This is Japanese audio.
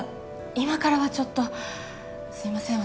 今からはちょっとすいません